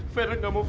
fir enggak mau fir